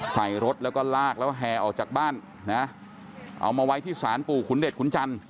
ใส่รถแล้วก็ลากแล้วแห่ออกจากบ้านนะเอามาไว้ที่ศาลปู่ขุนเด็ดขุนจันท